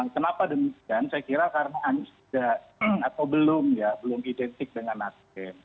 kenapa demikian saya kira karena anies tidak atau belum ya belum identik dengan nasdem